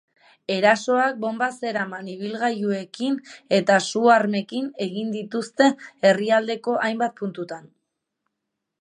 Erasoak bonba zeraman ibilgailuekin eta su-armekin egin dituzte herrialdeko hainbat puntutan.